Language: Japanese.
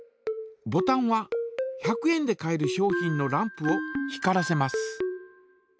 ボタンは１００円で買える商品のランプを光らせます。